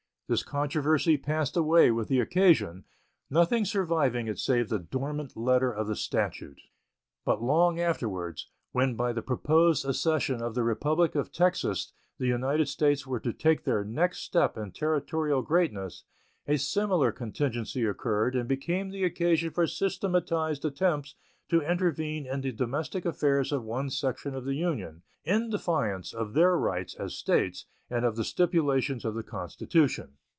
This controversy passed away with the occasion, nothing surviving it save the dormant letter of the statute. But long afterwards, when by the proposed accession of the Republic of Texas the United States were to take their next step in territorial greatness, a similar contingency occurred and became the occasion for systematized attempts to intervene in the domestic affairs of one section of the Union, in defiance of their rights as States and of the stipulations of the Constitution.